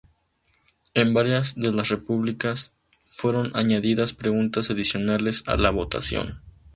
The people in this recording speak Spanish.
En varias de las repúblicas, fueron añadidas preguntas adicionales a la votación.